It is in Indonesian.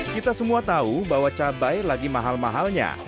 kita semua tahu bahwa cabai lagi mahal mahalnya